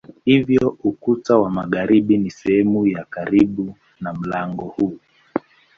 Hivyo ukuta wa magharibi ni sehemu ya karibu na mlango huu.